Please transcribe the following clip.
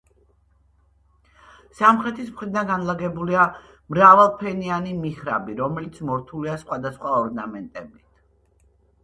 სამხრეთის მხრიდან განლაგებულია მრავალფენიანი მიჰრაბი, რომელიც მორთულია სხვადასხვა ორნამენტებით.